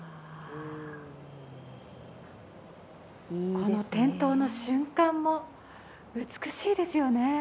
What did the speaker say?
この点灯の瞬間も美しいですよね。